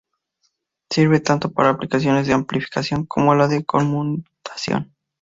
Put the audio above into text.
Sirve tanto para aplicaciones de amplificación como de conmutación.